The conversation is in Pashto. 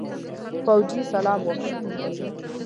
فوجي سلام وکړ.